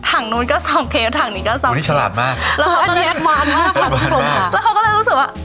ถังนู้นก็ซองเคฟถังนี้ก็ซองอันนี้ฉลาดมากแล้วเขาก็เลยรู้สึกว่า